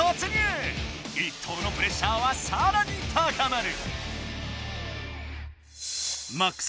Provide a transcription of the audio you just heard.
一投のプレッシャーはさらに高まる。